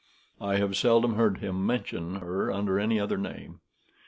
I have seldom heard him mention her under any other name.